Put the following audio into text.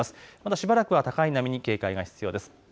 しばらくは高い波に警戒が必要です。